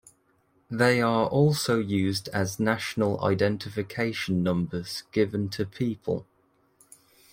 They are also used as national identification numbers given to people.